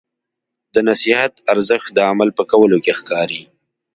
د نصیحت ارزښت د عمل په کولو کې ښکاري.